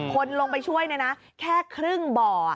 คนลงไปช่วยนะแค่ครึ่งบ่อ